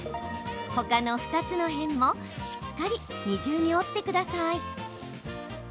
ほかの２つの辺もしっかり二重に折ってください。